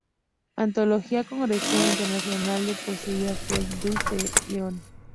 Antología Congreso Internacional de Poesía Fray Luis de León".